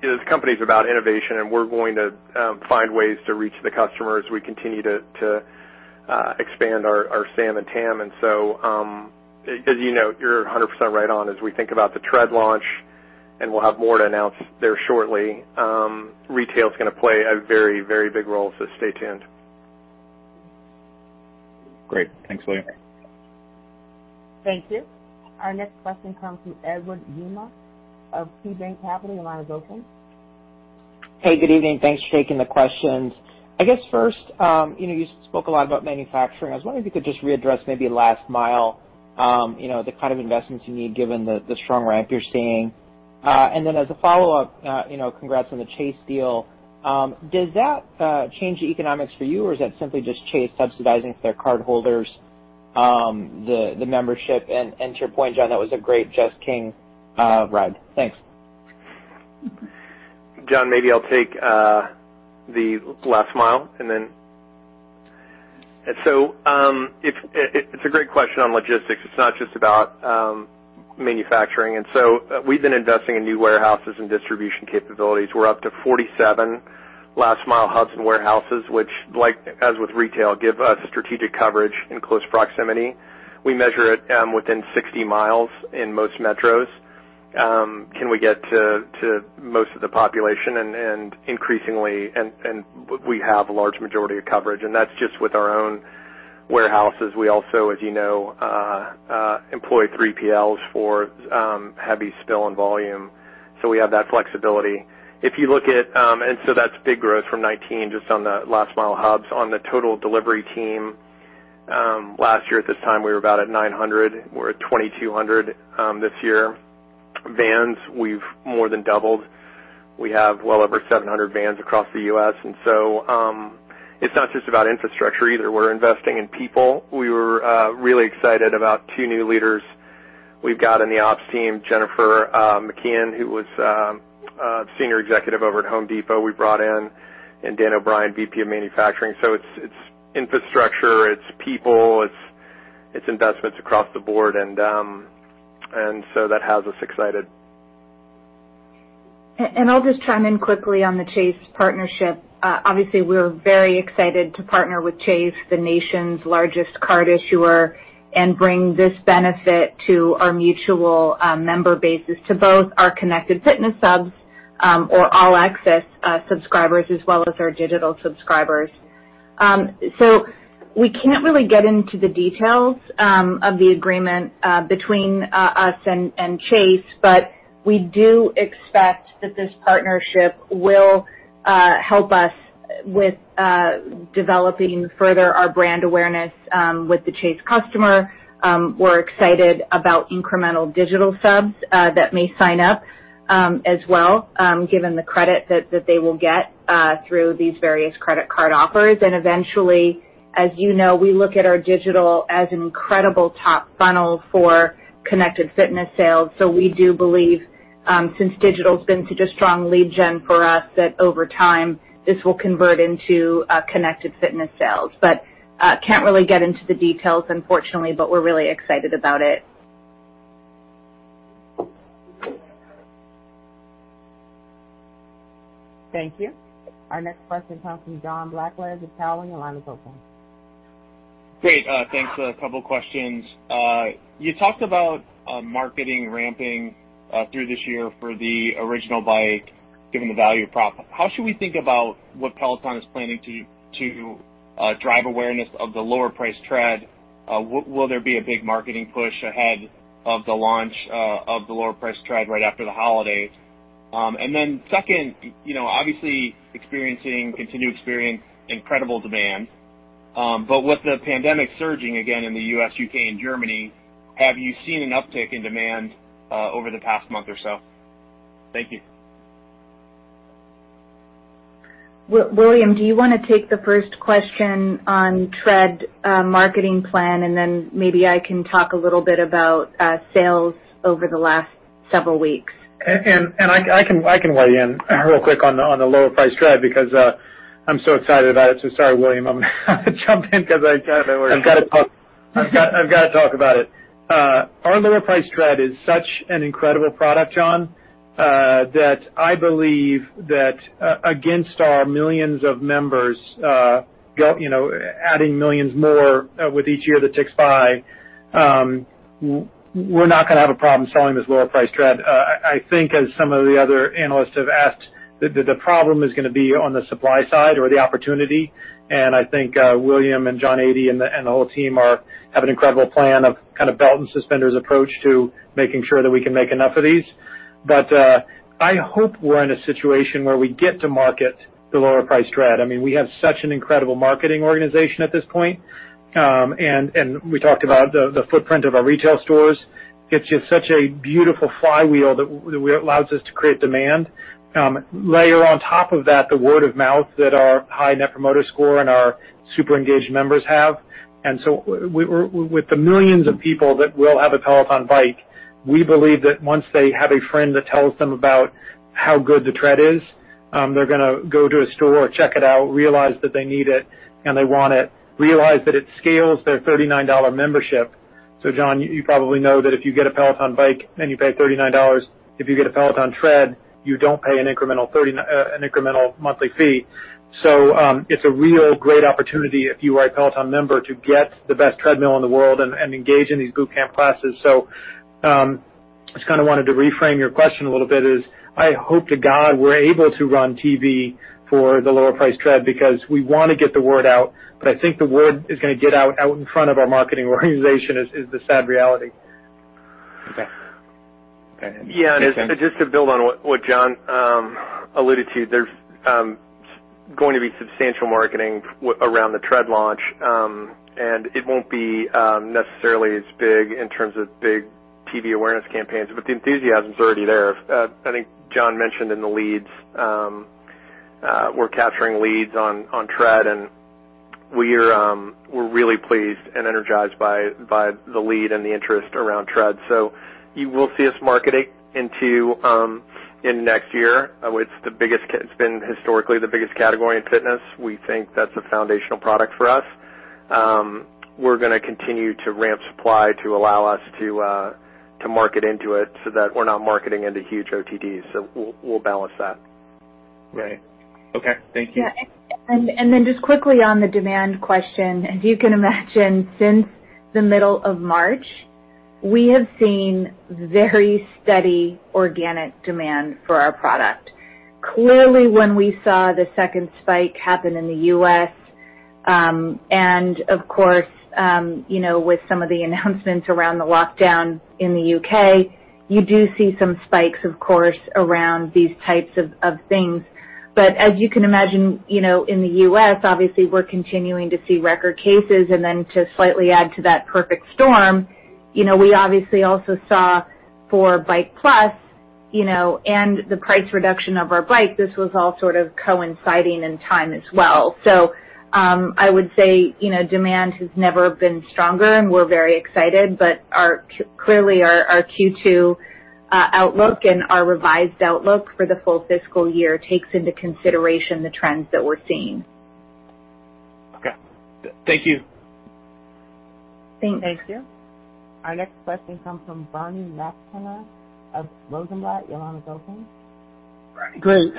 This company's about innovation, we're going to find ways to reach the customer as we continue to expand our SAM and TAM. As you know, you're 100% right on as we think about the Tread launch, we'll have more to announce there shortly. Retail's going to play a very big role, so stay tuned. Great. Thanks, William. Thank you. Our next question comes from Edward Yruma of KeyBanc Capital Markets. Your line is open. Hey, good evening. Thanks for taking the questions. I guess first, you spoke a lot about manufacturing. I was wondering if you could just readdress maybe last mile, the kind of investments you need given the strong ramp you're seeing. As a follow-up, congrats on the Chase deal. Does that change the economics for you, or is that simply just Chase subsidizing for their cardholders, the membership? To your point, John, that was a great Jess King ride. Thanks. John, maybe I'll take the last mile. It's a great question on logistics. It's not just about manufacturing. We've been investing in new warehouses and distribution capabilities. We're up to 47 last mile hubs and warehouses, which, like, as with retail, give us strategic coverage in close proximity. We measure it within 60 miles in most metros. Can we get to most of the population increasingly, and we have a large majority of coverage, and that's just with our own warehouses. We also, as you know, employ 3PLs for heavy/bulky and volume, we have that flexibility. That's big growth from 2019, just on the last mile hubs. On the total delivery team, last year at this time, we were about at 900. We're at 2,200 this year. Vans, we've more than doubled. We have well over 700 vans across the U.S. It's not just about infrastructure, either. We're investing in people. We were really excited about two new leaders we've got in the ops team, Jennifer McKeehan, who was a Senior Executive over at Home Depot, we brought in, and Dan O'Brien, VP of Manufacturing. It's infrastructure, it's people, it's investments across the board. That has us excited. I'll just chime in quickly on the Chase partnership. Obviously, we're very excited to partner with Chase, the nation's largest card issuer, and bring this benefit to our mutual member bases, to both our Connected Fitness subs or All Access subscribers, as well as our digital subscribers. We can't really get into the details of the agreement between us and Chase, but we do expect that this partnership will help us with developing further our brand awareness with the Chase customer. We're excited about incremental digital subs that may sign up as well, given the credit that they will get through these various credit card offers. Eventually, as you know, we look at our digital as an incredible top funnel for Connected Fitness sales. We do believe, since digital's been such a strong lead gen for us, that over time, this will convert into Connected Fitness sales. Can't really get into the details, unfortunately, but we're really excited about it. Thank you. Our next question comes from John Blackledge of Cowen, line is open. Great. Thanks. A couple of questions. You talked about marketing ramping through this year for the Original Bike, given the value prop. How should we think about what Peloton is planning to drive awareness of the lower priced Tread? Will there be a big marketing push ahead of the launch of the lower priced Tread right after the holidays? Second, obviously experiencing, continue to experience incredible demand. With the pandemic surging again in the U.S., U.K., and Germany, have you seen an uptick in demand over the past month or so? Thank you. William, do you want to take the first question on Tread marketing plan, and then maybe I can talk a little bit about sales over the last several weeks? I can weigh in real quick on the lower priced Tread, because I'm so excited about it. Sorry, William, I'm going to jump in because I've got to talk about it. Our lower priced Tread is such an incredible product, John, that I believe that against our millions of members, adding millions more with each year that ticks by, we're not going to have a problem selling this lower priced Tread. I think, as some of the other analysts have asked, that the problem is going to be on the supply side or the opportunity, and I think William and Jon Adee and the whole team have an incredible plan of kind of belt and suspenders approach to making sure that we can make enough of these. I hope we're in a situation where we get to market the lower priced Tread. We have such an incredible marketing organization at this point. We talked about the footprint of our retail stores. It is just such a beautiful flywheel that allows us to create demand. Layer on top of that, the word of mouth that our high net promoter score and our super engaged members have. With the millions of people that will have a Peloton Bike, we believe that once they have a friend that tells them about how good the Tread is, they are going to go to a store, check it out, realize that they need it, and they want it. Realize that it scales their $39 membership. John, you probably know that if you get a Peloton Bike and you pay $39, if you get a Peloton Tread, you do not pay an incremental monthly fee. It's a real great opportunity if you are a Peloton member to get the best treadmill in the world and engage in these boot camp classes. Just kind of wanted to reframe your question a little bit is, I hope to God we're able to run TV for the lower priced Tread because we want to get the word out. I think the word is going to get out in front of our marketing organization is the sad reality. Okay. Yeah. Just to build on what John alluded to, there's going to be substantial marketing around the Tread launch. It won't be necessarily as big in terms of big TV awareness campaigns, but the enthusiasm's already there. I think John mentioned in the leads, we're capturing leads on Tread, and we're really pleased and energized by the lead and the interest around Tread. You will see us marketing in next year. It's been historically the biggest category in fitness. We think that's a foundational product for us. We're going to continue to ramp supply to allow us to market into it so that we're not marketing into huge OTDs. We'll balance that. Right. Okay. Thank you. Yeah. Just quickly on the demand question, as you can imagine, since the middle of March, we have seen very steady organic demand for our product. Clearly, when we saw the second spike happen in the U.S., of course, with some of the announcements around the lockdown in the U.K., you do see some spikes, of course, around these types of things. As you can imagine, in the U.S., obviously, we're continuing to see record cases, to slightly add to that perfect storm, we obviously also saw for Bike+, and the price reduction of our Bike, this was all sort of coinciding in time as well. I would say, demand has never been stronger, and we're very excited, but clearly our Q2 outlook and our revised outlook for the full fiscal year takes into consideration the trends that we're seeing. Okay. Thank you. Thank you. Thank you. Our next question comes from Bernie McTernan of Rosenblatt. Your line is open. Great.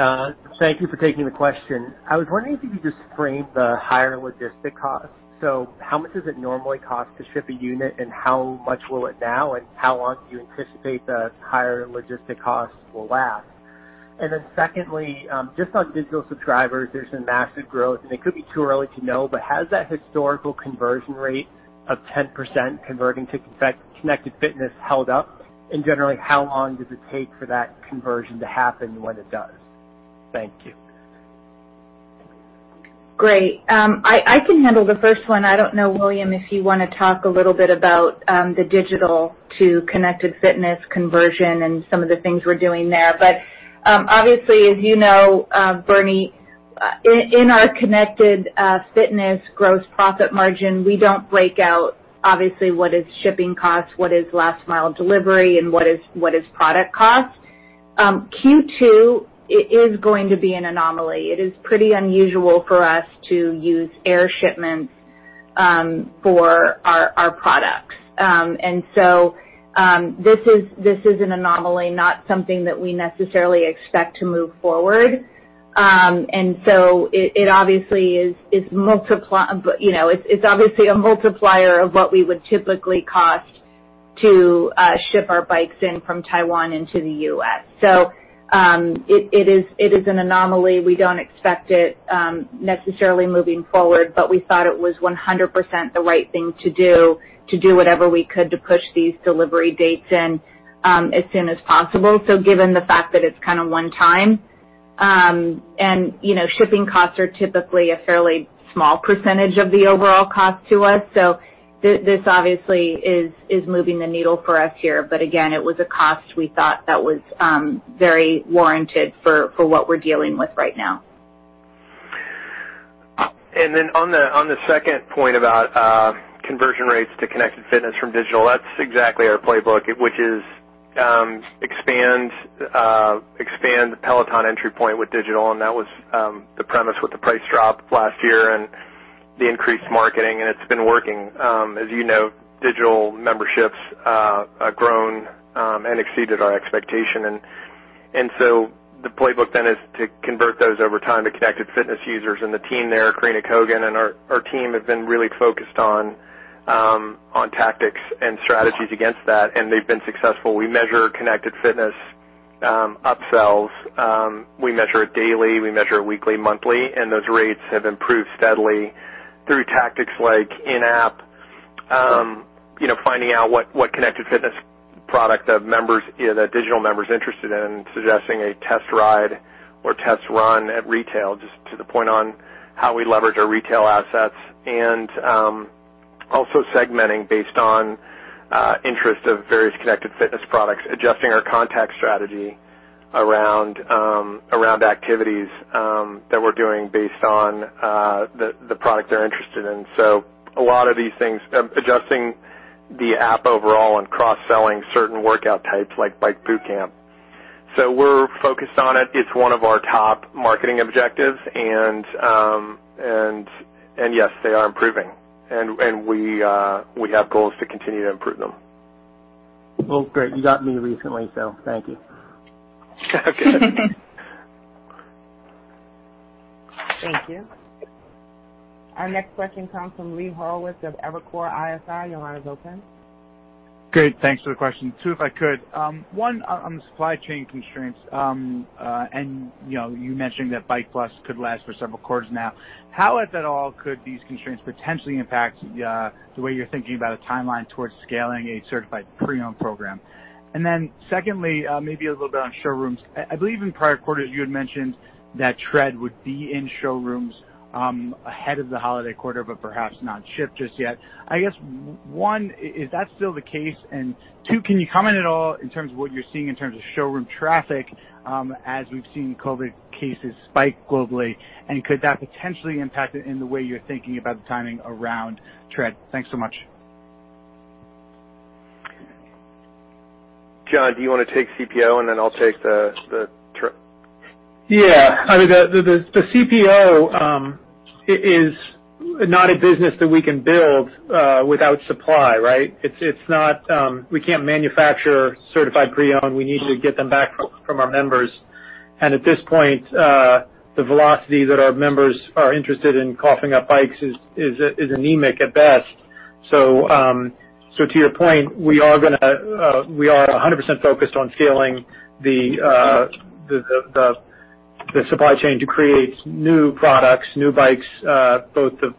Thank you for taking the question. I was wondering if you could just frame the higher logistic costs. How much does it normally cost to ship a unit, and how much will it now, and how long do you anticipate the higher logistic costs will last? Secondly, just on digital subscribers, there's been massive growth, and it could be too early to know, but has that historical conversion rate of 10% converting to Connected Fitness held up? Generally, how long does it take for that conversion to happen when it does? Thank you. Great. I can handle the first one. I don't know, William, if you want to talk a little bit about the digital to Connected Fitness conversion and some of the things we're doing there. Obviously as you know, Bernie, in our Connected Fitness gross profit margin, we don't break out, obviously, what is shipping cost, what is last mile delivery, and what is product cost. Q2 is going to be an anomaly. It is pretty unusual for us to use air shipments for our products. This is an anomaly, not something that we necessarily expect to move forward. It's obviously a multiplier of what we would typically cost to ship our Bikes in from Taiwan into the U.S. It is an anomaly. We don't expect it necessarily moving forward, but we thought it was 100% the right thing to do, to do whatever we could to push these delivery dates in as soon as possible. Given the fact that it's kind of one time, and shipping costs are typically a fairly small percentage of the overall cost to us. This obviously is moving the needle for us here. Again, it was a cost we thought that was very warranted for what we're dealing with right now. On the second point about conversion rates to Connected Fitness from digital, that's exactly our playbook, which is expand the Peloton entry point with digital, that was the premise with the price drop last year and the increased marketing, it's been working. As you know, digital memberships have grown, exceeded our expectation. The playbook then is to convert those over time to Connected Fitness users. The team there, Karina Kogan and our team, have been really focused on tactics and strategies against that, they've been successful. We measure Connected Fitness upsells. We measure it daily, we measure it weekly, monthly, those rates have improved steadily through tactics like in-app, finding out what Connected Fitness product that digital member's interested in, suggesting a test ride or test run at retail, just to the point on how we leverage our retail assets. Also segmenting based on interest of various Connected Fitness products, adjusting our contact strategy around activities that we're doing based on the product they're interested in. A lot of these things, adjusting the app overall and cross-selling certain workout types like Bike Bootcamp. We're focused on it. It's one of our top marketing objectives. Yes, they are improving. We have goals to continue to improve them. Well, great. You got me recently, so thank you. Okay. Thank you. Our next question comes from Lee Harlich of Evercore ISI. Your line is open. Great. Thanks for the question. Two, if I could. One, on the supply chain constraints, you mentioned that Bike+ could last for several quarters now. How, if at all, could these constraints potentially impact the way you're thinking about a timeline towards scaling a Certified Pre-Owned program? Then secondly, maybe a little bit on showrooms. I believe in prior quarters you had mentioned that Tread would be in showrooms ahead of the holiday quarter, perhaps not shipped just yet. I guess, one, is that still the case? Two, can you comment at all in terms of what you're seeing in terms of showroom traffic as we've seen COVID cases spike globally, could that potentially impact it in the way you're thinking about the timing around Tread? Thanks so much. John, do you want to take CPO and then I'll take the Tread? Yeah. The CPO is not a business that we can build without supply, right? We can't manufacture Certified Pre-Owned. We need to get them back from our members. At this point, the velocity that our members are interested in coughing up bikes is anemic at best. To your point, we are 100% focused on scaling the supply chain to create new products, new bikes, both the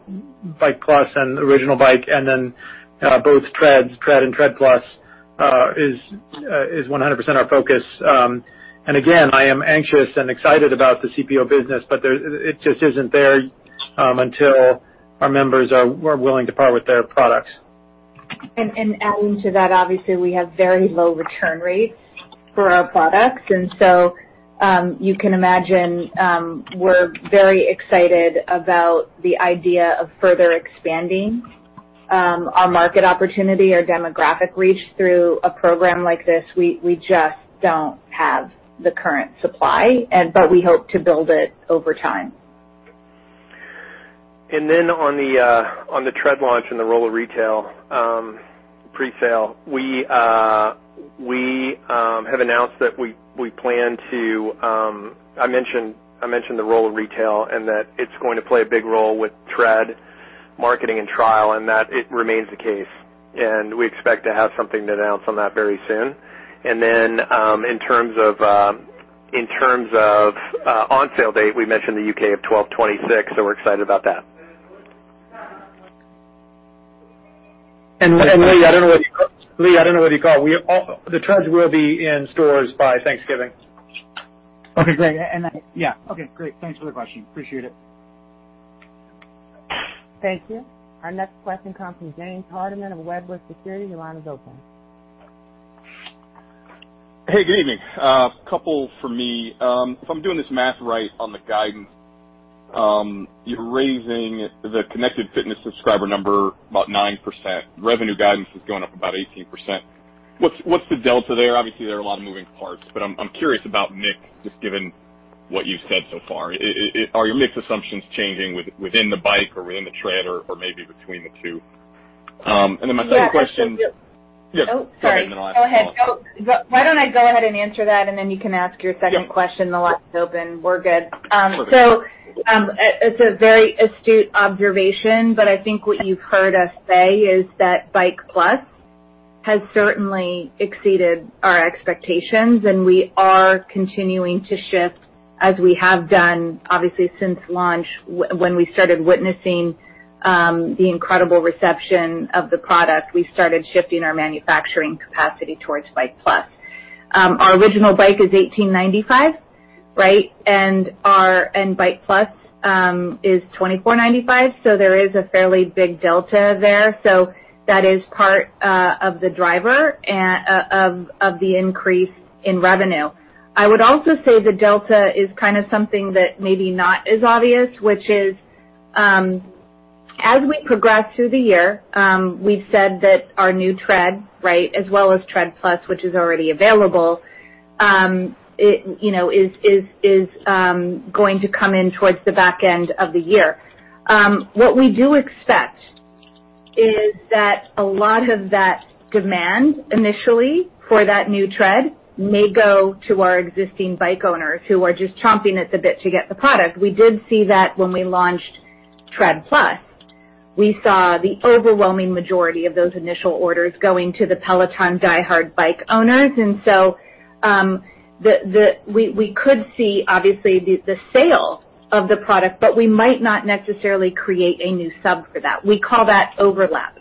Bike+ and the original Bike, then both Treads, Tread and Tread+ is 100% our focus. Again, I am anxious and excited about the CPO business, but it just isn't there until our members are willing to part with their products. Adding to that, obviously, we have very low return rates for our products. You can imagine, we're very excited about the idea of further expanding our market opportunity, our demographic reach through a program like this. We just don't have the current supply, but we hope to build it over time. On the Tread launch and the role of retail pre-sale. We have announced that we plan to I mentioned the role of retail and that it is going to play a big role with Tread marketing and trial, and that it remains the case, and we expect to have something to announce on that very soon. In terms of on-sale date, we mentioned the U.K. of 12/26, so we're excited about that. The Tread will be in stores by Thanksgiving. Okay, great. Yeah. Okay, great. Thanks for the question. Appreciate it. Thank you. Our next question comes from James Hardiman of Wedbush Securities. Your line is open. Hey, good evening. A couple from me. If I'm doing this math right on the guidance, you're raising the Connected Fitness subscriber number about 9%. Revenue guidance is going up about 18%. What's the delta there? Obviously, there are a lot of moving parts. I'm curious about mix, just given what you've said so far. Are your mix assumptions changing within the Bike or within the Tread or maybe between the two? My second question. Yeah, I can. Yeah. Oh, sorry. Go ahead, I'll ask the follow-up. Go ahead. Why don't I go ahead and answer that and then you can ask your second question. Yeah. The line's still open. We're good. Perfect. It's a very astute observation, but I think what you've heard us say is that Bike+ has certainly exceeded our expectations, and we are continuing to shift as we have done, obviously since launch, when we started witnessing the incredible reception of the product. We started shifting our manufacturing capacity towards Bike+. Our original Bike is $1,895, right? Bike+ is $2,495, there is a fairly big delta there. That is part of the driver of the increase in revenue. I would also say the delta is kind of something that may be not as obvious, which is, as we progress through the year, we've said that our new Tread, right, as well as Tread+, which is already available, is going to come in towards the back end of the year. What we do expect is that a lot of that demand initially for that new Tread may go to our existing Bike owners who are just chomping at the bit to get the product. We did see that when we launched Tread+. We saw the overwhelming majority of those initial orders going to the Peloton diehard Bike owners. We could see, obviously, the sale of the product, but we might not necessarily create a new sub for that. We call that overlap.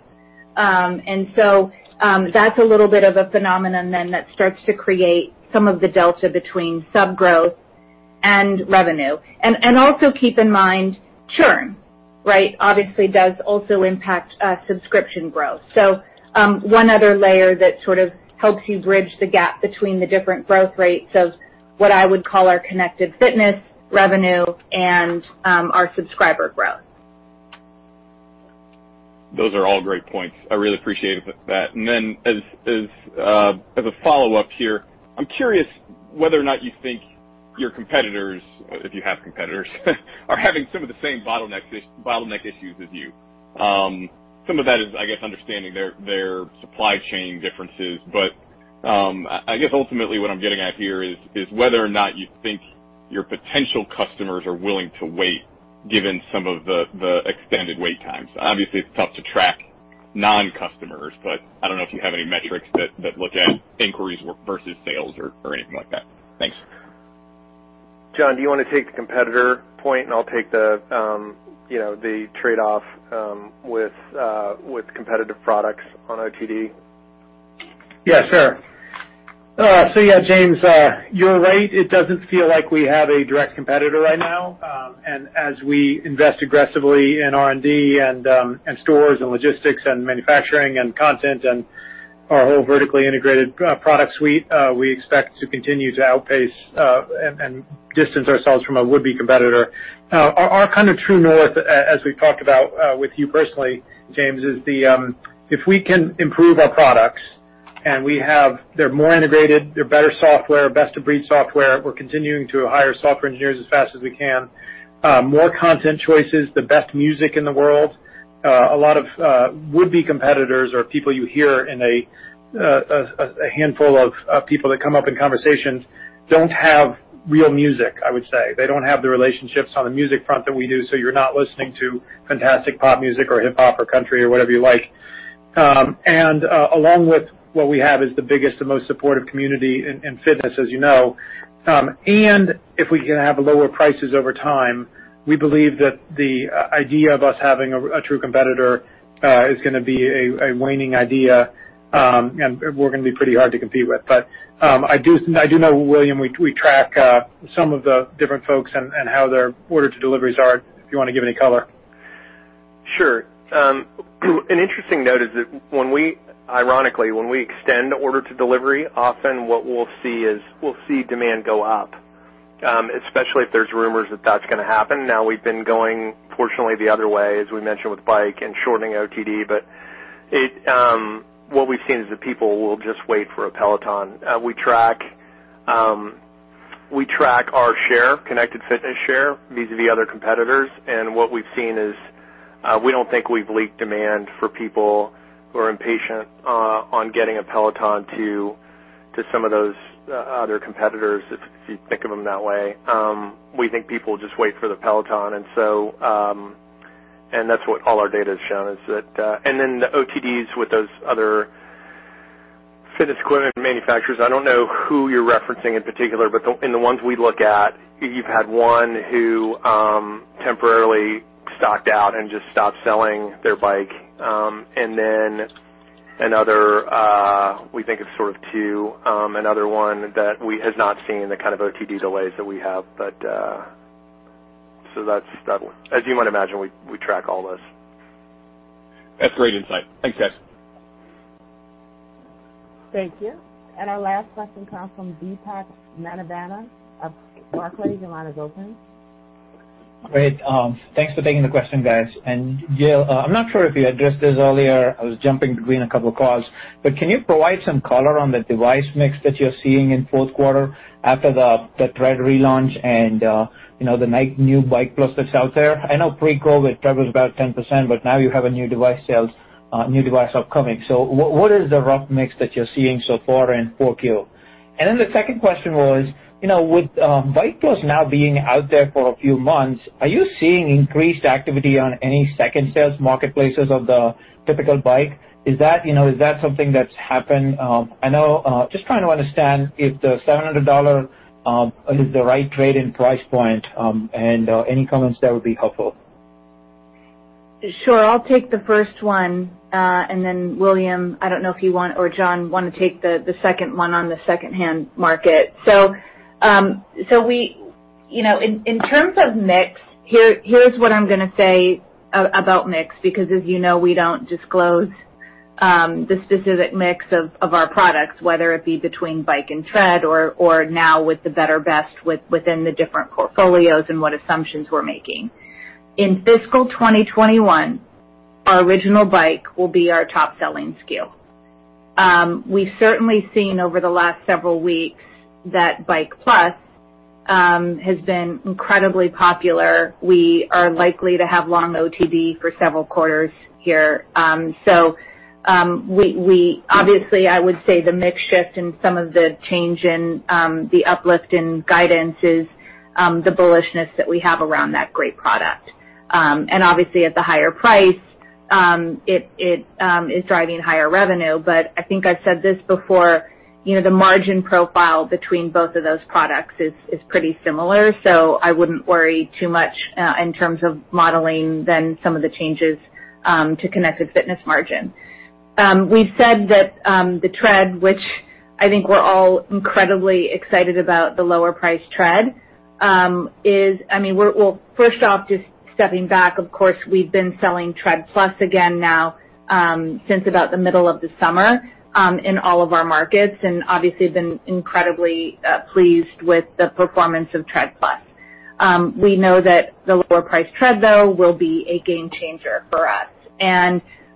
That's a little bit of a phenomenon then that starts to create some of the delta between sub growth and revenue. Also keep in mind churn, right, obviously does also impact subscription growth. One other layer that sort of helps you bridge the gap between the different growth rates of what I would call our connected fitness revenue and our subscriber growth. Those are all great points. I really appreciate that. As a follow-up here, I'm curious whether or not you think your competitors, if you have competitors are having some of the same bottleneck issues as you. Some of that is, I guess, understanding their supply chain differences, but I guess ultimately what I'm getting at here is whether or not you think your potential customers are willing to wait given some of the extended wait times. Obviously, it's tough to track non-customers, but I don't know if you have any metrics that look at inquiries versus sales or anything like that. Thanks. John, do you want to take the competitor point and I'll take the trade-off with competitive products on OTD? James, you're right. It doesn't feel like we have a direct competitor right now. As we invest aggressively in R&D and stores and logistics and manufacturing and content and our whole vertically integrated product suite, we expect to continue to outpace and distance ourselves from a would-be competitor. Our kind of true north, as we've talked about with you personally, James, is if we can improve our products and they're more integrated, they're better software, best-of-breed software. We're continuing to hire software engineers as fast as we can. More content choices, the best music in the world. A lot of would-be competitors or people you hear in a handful of people that come up in conversations don't have real music, I would say. They don't have the relationships on the music front that we do, so you're not listening to fantastic pop music or hip hop or country or whatever you like. Along with what we have is the biggest and most supportive community in fitness, as you know. If we can have lower prices over time, we believe that the idea of us having a true competitor, is going to be a waning idea, and we're going to be pretty hard to compete with. I do know, William, we track some of the different folks and how their order to deliveries are, if you want to give any color. Sure. An interesting note is that when we, ironically, when we extend order to delivery, often what we'll see is we'll see demand go up, especially if there's rumors that's going to happen. We've been going, fortunately, the other way, as we mentioned, with Bike and shortening OTD. What we've seen is that people will just wait for a Peloton. We track our share, Connected Fitness share vis-à-vis other competitors. What we've seen is, we don't think we've leaked demand for people who are impatient on getting a Peloton to some of those other competitors, if you think of them that way. We think people just wait for the Peloton. That's what all our data has shown. The OTDs with those other fitness equipment manufacturers, I don't know who you're referencing in particular, but in the ones we look at, you've had one who temporarily stocked out and just stopped selling their bike. Another, we think of sort of two, another one that has not seen the kind of OTD delays that we have. As you might imagine, we track all this. That's great insight. Thanks, guys. Thank you. Our last question comes from Deepak Mathivanan of Barclays. Great. Thanks for taking the question, guys. Jill, I'm not sure if you addressed this earlier. I was jumping between a couple of calls. Can you provide some color on the device mix that you're seeing in fourth quarter after the Tread relaunch and the new Bike+ that's out there? I know pre-COVID-19, Tread was about 10%, but now you have a new device upcoming. What is the rough mix that you're seeing so far in 4Q? The second question was, with Bike+ now being out there for a few months, are you seeing increased activity on any second sales marketplaces of the typical bike? Is that something that's happened? Just trying to understand if the $700 is the right trade-in price point, and any comments there would be helpful. Sure. I'll take the first one. William, I don't know if you want or John want to take the second one on the secondhand market. In terms of mix, here's what I'm going to say about mix, because as you know, we don't disclose the specific mix of our products, whether it be between Bike and Tread or now with the better best within the different portfolios and what assumptions we're making. In fiscal 2021, our original Bike will be our top-selling SKU. We've certainly seen over the last several weeks that Bike+ has been incredibly popular. We are likely to have long OTD for several quarters here. Obviously, I would say the mix shift and some of the change in the uplift in guidance is the bullishness that we have around that great product. Obviously at the higher price, it is driving higher revenue. I think I've said this before, the margin profile between both of those products is pretty similar. I wouldn't worry too much in terms of modeling, then some of the changes to Connected Fitness margin. We've said that the Tread, which I think we're all incredibly excited about the lower priced Tread, well, first off, just stepping back, of course, we've been selling Tread+ again now since about the middle of the summer in all of our markets and obviously been incredibly pleased with the performance of Tread+. We know that the lower priced Tread, though, will be a game changer for us.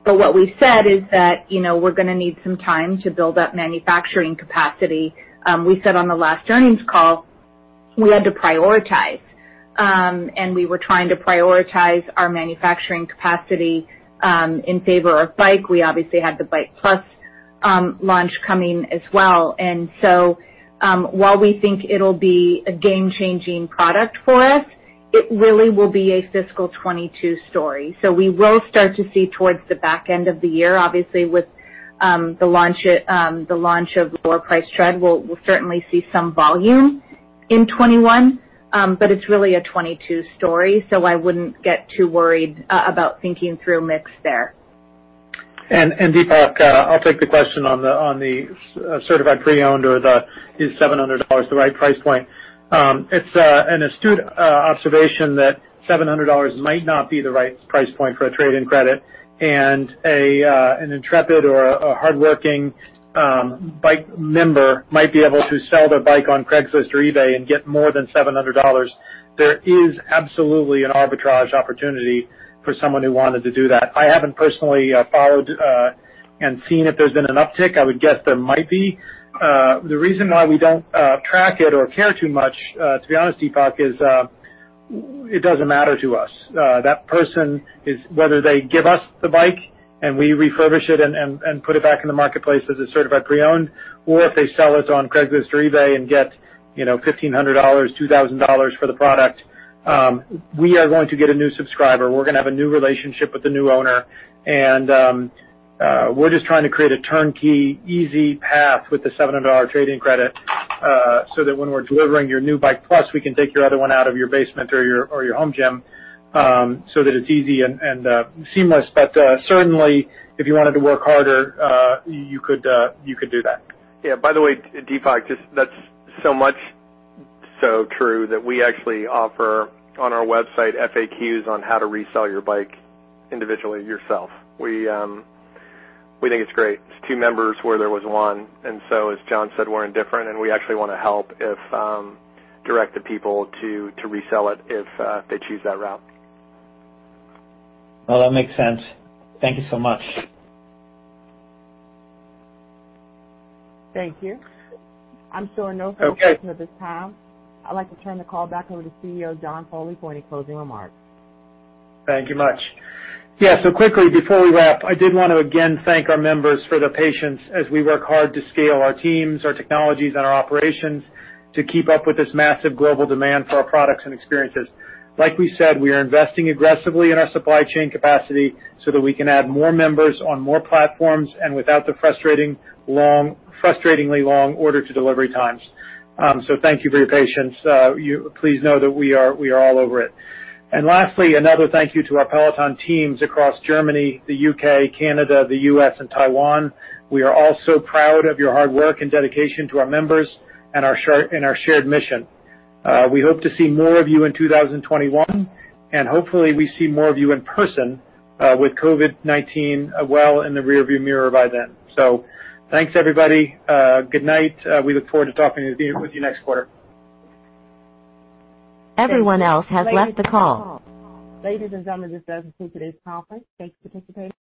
What we've said is that we're going to need some time to build up manufacturing capacity. We said on the last earnings call. We had to prioritize, and we were trying to prioritize our manufacturing capacity in favor of Bike. We obviously had the Bike+ launch coming as well. While we think it'll be a game-changing product for us, it really will be a fiscal 2022 story. We will start to see towards the back end of the year. Obviously, with the launch of lower priced Tread, we'll certainly see some volume in 2021. It's really a 2022 story, so I wouldn't get too worried about thinking through mix there. Deepak, I'll take the question on the Certified Pre-Owned or is $700 the right price point. It's an astute observation that $700 might not be the right price point for a trade-in credit, and an intrepid or a hardworking Bike member might be able to sell their Bike on Craigslist or eBay and get more than $700. There is absolutely an arbitrage opportunity for someone who wanted to do that. I haven't personally followed and seen if there's been an uptick. I would guess there might be. The reason why we don't track it or care too much, to be honest, Deepak, is it doesn't matter to us. That person is, whether they give us the Bike and we refurbish it and put it back in the marketplace as a Certified Pre-Owned, or if they sell us on Craigslist or eBay and get $1,500, $2,000 for the product, we are going to get a new subscriber. We're going to have a new relationship with the new owner. We're just trying to create a turnkey, easy path with the $700 trade-in credit, so that when we're delivering your new Bike+, we can take your other one out of your basement or your home gym, so that it's easy and seamless. Certainly, if you wanted to work harder, you could do that. Yeah. By the way, Deepak, that's so true that we actually offer on our website FAQs on how to resell your bike individually yourself. We think it's great. It's two members where there was one, and so as John said, we're indifferent, and we actually want to help direct the people to resell it if they choose that route. Well, that makes sense. Thank you so much. Thank you. I'm showing no further questions at this time. I'd like to turn the call back over to CEO John Foley for any closing remarks. Thank you much. Yeah. Quickly before we wrap, I did want to again thank our members for their patience as we work hard to scale our teams, our technologies, and our operations to keep up with this massive global demand for our products and experiences. Like we said, we are investing aggressively in our supply chain capacity so that we can add more members on more platforms and without the frustratingly long order to delivery times. Thank you for your patience. Please know that we are all over it. Lastly, another thank you to our Peloton teams across Germany, the U.K., Canada, the U.S., and Taiwan. We are all so proud of your hard work and dedication to our members and our shared mission. We hope to see more of you in 2021, and hopefully, we see more of you in person, with COVID-19 well in the rear-view mirror by then. Thanks, everybody. Good night. We look forward to talking with you next quarter. Everyone else has left the call. Ladies and gentlemen, this does conclude today's conference. Thanks for participating.